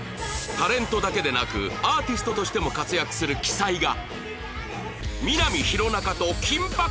タレントだけでなくアーティストとしても活躍する奇才が